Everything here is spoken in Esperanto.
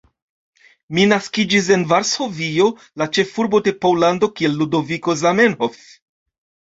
Mi naskiĝis en Varsovio, la ĉefurbo de Pollando kiel Ludoviko Zamenhof.